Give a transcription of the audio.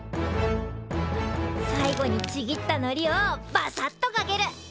最後にちぎったのりをバサッとかける！